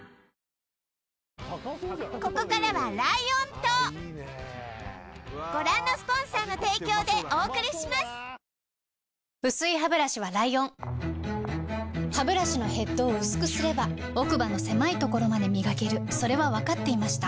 豚丼薄いハブラシはライオンハブラシのヘッドを薄くすれば奥歯の狭いところまで磨けるそれは分かっていました